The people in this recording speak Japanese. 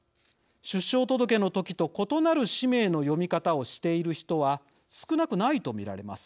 出生届の時と異なる氏名の読み方をしている人は少なくないと見られます。